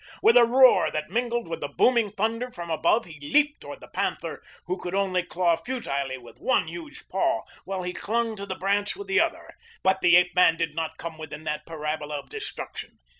With a roar that mingled with the booming thunder from above he leaped toward the panther, who could only claw futilely with one huge paw while he clung to the branch with the other; but the ape man did not come within that parabola of destruction.